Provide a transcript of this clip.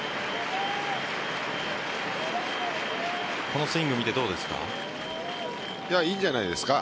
このスイング見てどうですか？